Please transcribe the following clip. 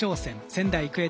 仙台育英